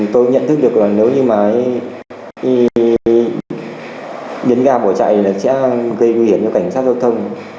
tôi nhận thức được là nếu như mà nhấn ga bỏ chạy thì nó sẽ gây nguy hiểm cho cảnh sát giao thông